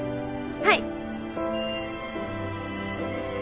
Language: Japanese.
はい！